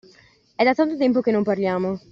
E' da tanto tempo che non parliamo.